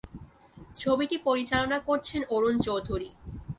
ছবিটি পরিচালনা করছেন অরুণ চৌধুরী।